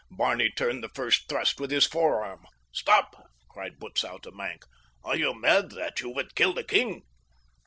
Barney turned the first thrust with his forearm. "Stop!" cried Butzow to Maenck. "Are you mad, that you would kill the king?"